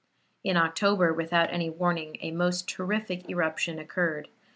In October, without any warning, a most terrific eruption occurred.